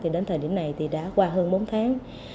đến thời điểm này đã qua hơn bốn tháng